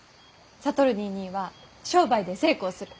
智ニーニーは商売で成功する。